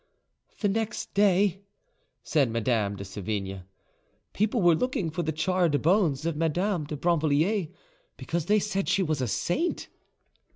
"The next day," says Madame de Sevigne, "people were looking for the charred bones of Madame de Brinvilliers, because they said she was a saint."